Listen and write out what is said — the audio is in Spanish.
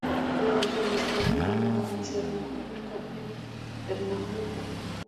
Es la región más pobre y con menor densidad demográfica de Pernambuco.